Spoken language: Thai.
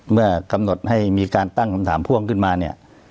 เมื่อกำหนดให้มีการตั้งคำถามพ่วงขึ้นมาเนี่ย